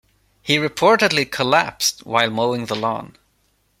He reportedly collapsed while mowing the lawn.